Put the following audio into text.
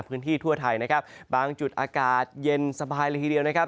ทั่วไทยนะครับบางจุดอากาศเย็นสบายเลยทีเดียวนะครับ